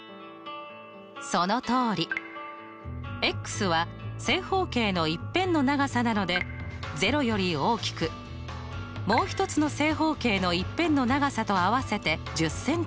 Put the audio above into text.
そのとおり！は正方形の１辺の長さなので０より大きくもう１つの正方形の１辺の長さと合わせて１０ｃｍなので１０未満。